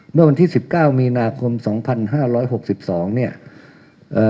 เมื่อวันที่สิบเก้ามีนาคมสองพันห้าร้อยหกสิบสองเนี้ยเอ่อ